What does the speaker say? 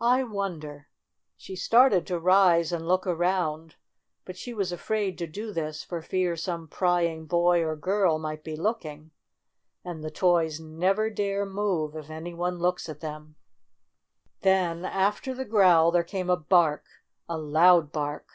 I won der !" She started to rise and look around, but she was afraid to do this for fear some pry ing boy or girl might be looking. And the toys never dare move if any one looks at them. THE BIRTHDAY PARTY 61 Then, after the growl, there came a bark — a loud bark.